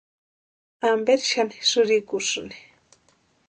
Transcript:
¿Amperi xani sïrikusïni?